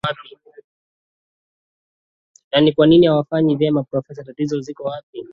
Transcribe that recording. na ni kwa nini hawafanyi vyema profesa tatizo ziko wapi